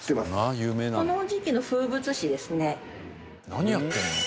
何やってるの？